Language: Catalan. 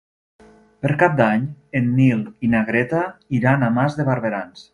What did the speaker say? Per Cap d'Any en Nil i na Greta iran a Mas de Barberans.